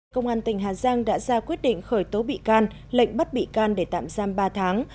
công an tỉnh hà giang đã ra quyết định khởi tố bị can lệnh bắt bị can để tạm giam ba tháng